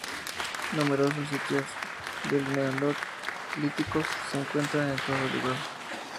Numerosos sitios del neolíticos se encuentran en todo el lugar.